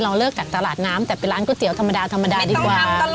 เราเลิกกันตลาดน้ำแต่ไปร้านก๋วยเตี๋ยวธรรมดาดีกว่า